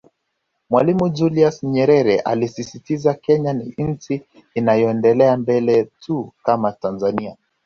Mwalimu Julius Nyerere alisisitiza Kenya ni nchi inayoendelea mbele tu kama Tanzania